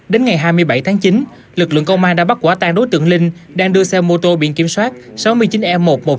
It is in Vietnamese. đến ngày hai mươi bảy tháng chín lực lượng công an đã bắt quả tàn đối tượng linh đang đưa xe mô tô biển kiểm soát sáu mươi chín e một một mươi chín nghìn năm trăm linh năm